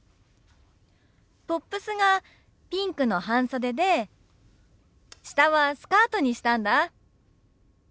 トップスがピンクの半袖で下はスカートにしたんだ。